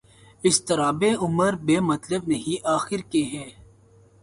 اضطرابِ عمر بے مطلب نہیں آخر کہ ہے